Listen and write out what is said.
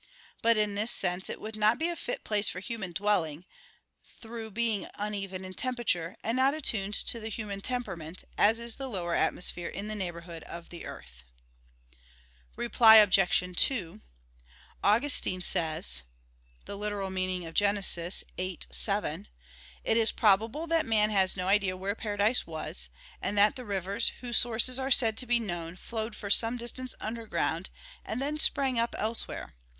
But in this sense it would not be a fit place for human dwelling, through being uneven in temperature, and not attuned to the human temperament, as is the lower atmosphere in the neighborhood of the earth. Reply Obj. 2: Augustine says (Gen. ad lit. viii, 7): "It is probable that man has no idea where paradise was, and that the rivers, whose sources are said to be known, flowed for some distance underground, and then sprang up elsewhere.